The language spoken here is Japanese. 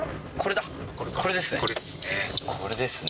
これですね